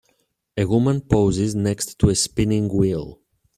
A woman poses next to a spinning wheel.